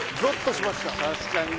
確かにね。